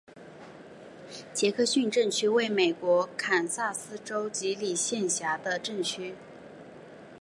杰克逊镇区为美国堪萨斯州吉里县辖下的镇区。